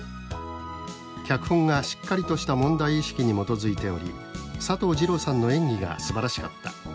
脚本がしっかりとした問題意識に基づいており佐藤二朗さんの演技がすばらしかった」